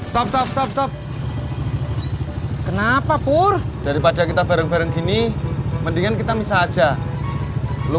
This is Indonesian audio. stop stop stop shop kenapa pur daripada kita bareng bareng gini mendingan kita misah aja belum